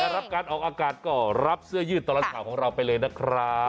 รับการออกอากาศก็รับเสื้อยืดตลอดข่าวของเราไปเลยนะครับ